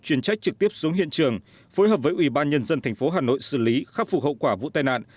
chuyên trách trực tiếp xuống hiện trường phối hợp với ủy ban nhân dân thành phố hà nội xử lý khắc phục hậu quả vụ tai nạn